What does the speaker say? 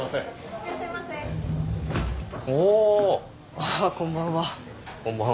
あっこんばんは。